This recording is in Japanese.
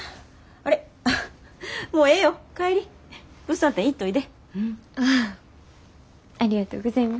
ありがとうございます。